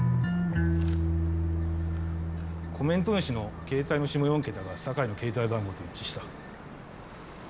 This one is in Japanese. コメント主の携帯の下４桁が坂井の携帯番号と一致した。